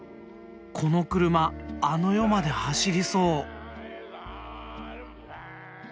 この車あの世まで走りそう。